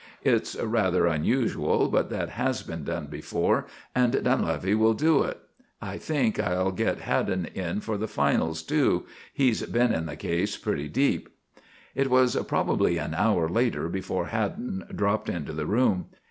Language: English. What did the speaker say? It's rather unusual, but has been done before, and Dunlevy will do it. I think I'll get Haddon in for the finals, too. He's been in the case pretty deep." It was probably an hour later before Haddon dropped into the room.